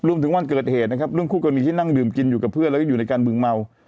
วันเกิดเหตุนะครับเรื่องคู่กรณีที่นั่งดื่มกินอยู่กับเพื่อนแล้วก็อยู่ในการบึงเมา